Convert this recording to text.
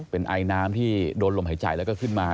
เป็นไอน้ำที่โดนลมหายใจแล้วก็ขึ้นมา